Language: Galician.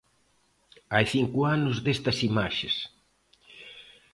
Hai cinco anos destas imaxes.